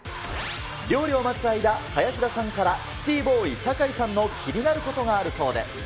料理を待つ間、林田さんからシティボーイ・酒井さんの気になることがあるそうで。